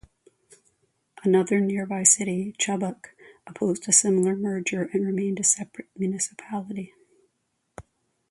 Another nearby city, Chubbuck, opposed a similar merger and remained a separate municipality.